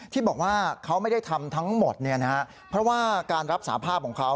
ที่บอกว่าเขาไม่ได้ทำทั้งหมดเพราะว่าการรับสาภาพของเขา